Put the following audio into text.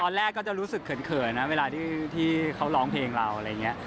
แรกก็จะรู้สึกเขินนะเวลาที่เขาร้องเพลงเราอะไรอย่างนี้